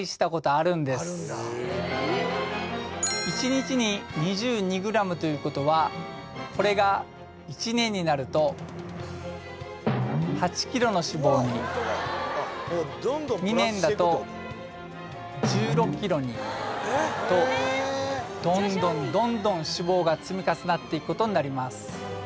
１日に２２ｇということはこれが１年になると８ｋｇの脂肪に２年だと１６ｋｇにとどんどんどんどん脂肪が積み重なっていくことになります